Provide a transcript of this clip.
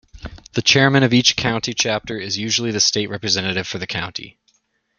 The Chairman of each County Chapter is usually the state representative for the County.